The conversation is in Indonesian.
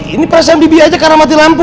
ini perasaan bibi aja karena mati lampu